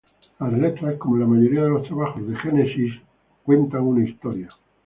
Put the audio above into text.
Las letras, como en la mayoría de los trabajos de Genesis, cuentan una historia.